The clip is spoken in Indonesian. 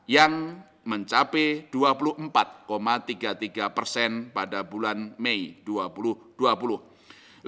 yang mencapai rp dua puluh empat tiga triliun